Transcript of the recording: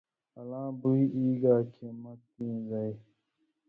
الاں بُوئ ای گا کھیں مہ تیں زائ